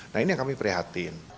nah ini yang kami prihatin